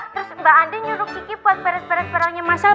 terus mbak andien nyuruh kiki buat beres beres berangnya mas al